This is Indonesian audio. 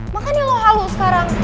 makanya lo halu sekarang